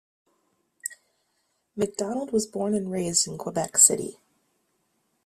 Macdonald was born and raised in Quebec City.